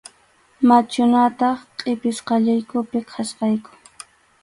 Machuñataq qʼipisqallaykupi kachkayku.